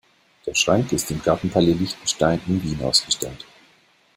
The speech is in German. Der Schrank ist im Gartenpalais Liechtenstein in Wien ausgestellt.